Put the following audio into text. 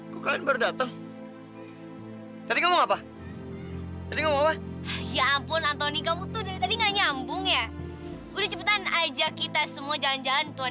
kukain baru dateng tadi kamu apa tadi ngomong apa ya ampun anthony kamu tuh dari tadi nggak nyambung ya udah cepetan aja kita semua jalan jalan ya